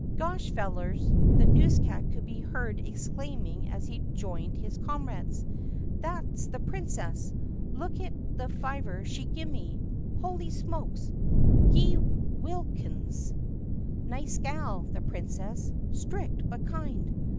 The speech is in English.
"Gosh, fellers!" the newscat could be heard exclaiming as he joined his comrades. "That 's the Princess. Lookit the fiver she gimme." "Holy smokes!" "Geewhillikens!" THE PUSSYCAT PRINCESS 81 "Nice gal, the Princess. Strict but kind."